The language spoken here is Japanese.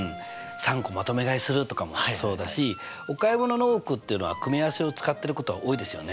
３個まとめ買いするとかもそうだしお買い物の多くっていうのは組合せを使ってることが多いですよね。